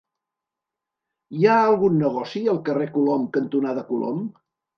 Hi ha algun negoci al carrer Colom cantonada Colom?